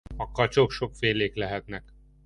A kacsok sokfélék lehetnek.